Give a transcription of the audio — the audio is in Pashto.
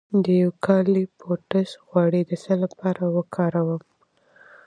د یوکالیپټوس غوړي د څه لپاره وکاروم؟